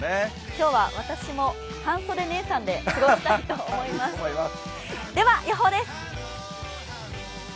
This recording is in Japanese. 今日は私も半袖ネエサンで過ごしたいと思います。